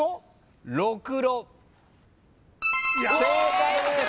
正解です。